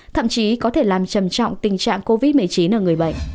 thậm chí có thể làm trầm trọng tình trạng covid một mươi chín ở người bệnh